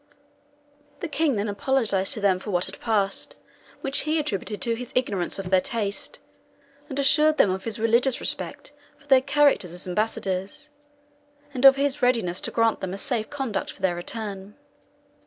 The king then apologized to them for what had passed, which he attributed to his ignorance of their taste; and assured them of his religious respect for their characters as ambassadors, and of his readiness to grant them a safe conduct for their return.